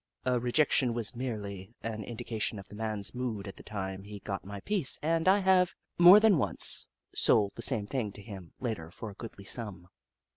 A rejec tion was merely an indication of the man's mood at the time he got my piece, and I have, more than once, sold the same thing to him later for a goodly sum.